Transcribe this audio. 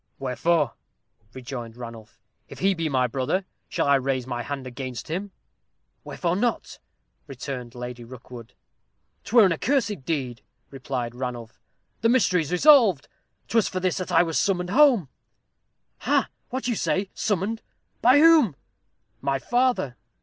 "Wherefore?" rejoined Ranulph; "if he be my brother, shall I raise my hand against him?" "Wherefore not?" returned Lady Rookwood. "'Twere an accursed deed," replied Ranulph. "The mystery is resolved. 'Twas for this that I was summoned home." "Ha! what say you? summoned! by whom?" "My father!"